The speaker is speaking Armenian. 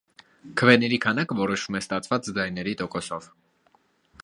Քվեների քանակը որոշվում է ստացված ձայների տոկոսով։